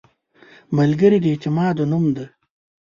ملګری د اعتماد نوم دی